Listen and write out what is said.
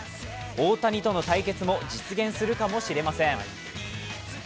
大谷との対決も実現するかもしれません。